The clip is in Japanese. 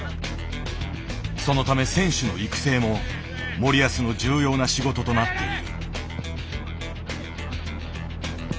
そのため選手の育成も森保の重要な仕事となっている。